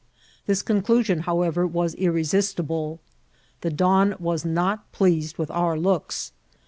This conclusion, how« ever, was irresistible. The don was not pleased with our looks.